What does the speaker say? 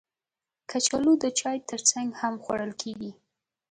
کچالو د چای ترڅنګ هم خوړل کېږي